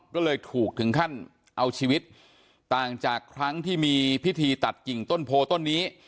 ก็เลยถูกถึงขั้นเอาชีวิตต่างจากครั้งที่มีพิธีตัดกิ่งต้นโพต้นนี้